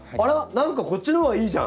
何かこっちのほうがいいじゃん！